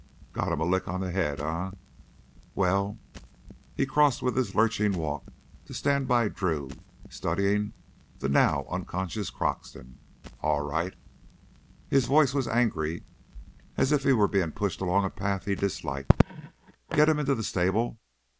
Got him a lick on the head, eh? Well " he crossed with his lurching walk to stand by Drew, studying the now unconscious Croxton "all right." His voice was angry, as if he were being pushed along a path he disliked. "Get him into the stable.